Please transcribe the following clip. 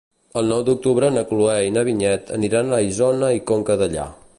El nou d'octubre na Cloè i na Vinyet aniran a Isona i Conca Dellà.